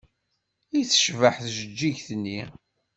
I tecbeḥ tjeǧǧigt-nni!